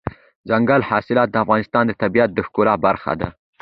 دځنګل حاصلات د افغانستان د طبیعت د ښکلا برخه ده.